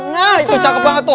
nah itu cakep banget tuh